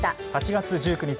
８月１９日